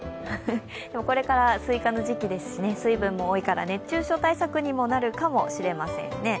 これから、スイカの時期ですし水分が多いから熱中症対策にもなるかもしれませんね。